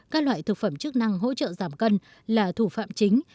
các loại thực phẩm chức năng hỗ trợ giảm cân là thủ phạm chính